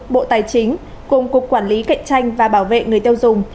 bộ tài chính cùng cục quản lý cạnh tranh và bảo vệ người tiêu dùng